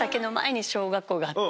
があって。